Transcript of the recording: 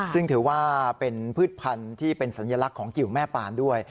ซึ่งถือว่าเป็นพืชพันธุ์ที่เป็นสัญลักษณ์ของกิวแม่ปานด้วย